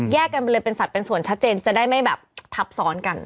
กันไปเลยเป็นสัตว์เป็นส่วนชัดเจนจะได้ไม่แบบทับซ้อนกัน